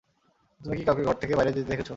তুমি কি কাউকে ঘর থেকে বাইরে যেতে দেখেছো?